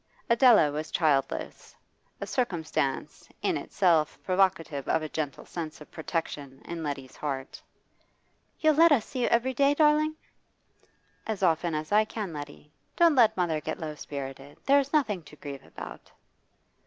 Adela was childless a circumstance in itself provocative of a gentle sense of protection in Letty's heart. 'You'll let us see you every day, darling?' 'As often as I can, Letty. Don't let mother get low spirited. There's nothing to grieve about.